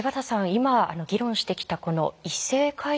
今議論してきたこの異性介助の問題